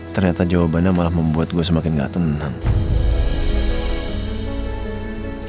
ternyata jawabannya malah membuat gue semakin gak tenang